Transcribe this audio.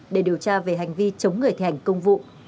để điều tra về hành vi chống người thi hành công vụ